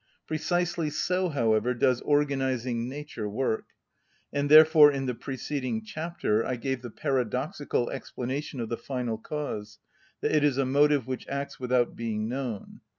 Precisely so, however, does organising nature work; and therefore in the preceding chapter I gave the paradoxical explanation of the final cause, that it is a motive which acts without being known.